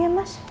boleh ya mas